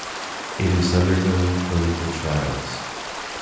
It is undergoing clinical trials.